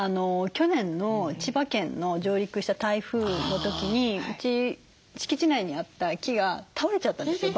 去年の千葉県の上陸した台風の時にうち敷地内にあった木が倒れちゃったんですよ